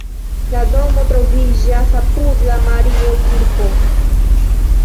La domo troviĝas apud la Mario-kirko.